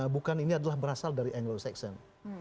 bukan ini adalah berasal dari anglo saxon